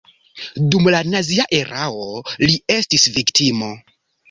Dum la nazia erao li estis viktimo.